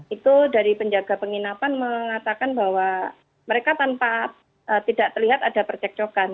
itu dari penjaga penginapan mengatakan bahwa mereka tanpa tidak terlihat ada percekcokan